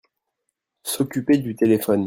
S'occuper du téléphone.